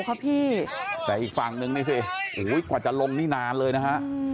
ครับพี่แต่อีกฝั่งนึงนี่สิกว่าจะลงนี่นานเลยนะฮะ